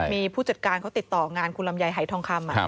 มีผู้จัดการเขาติดต่องานคุณลำไยหายทองคำ